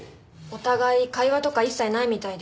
お互い会話とか一切ないみたいです。